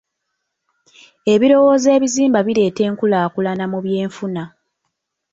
Ebirowoozo ebizimba bireeta enkulaakulana mu by'enfuna.